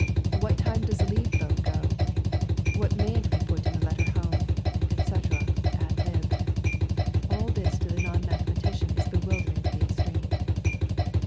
"What time does the leave boat go?" "What mayn't we put in a letter home?" etc., ad lib.; all this to the non mathematician is bewildering in the extreme.